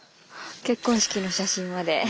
結婚式の写真まで。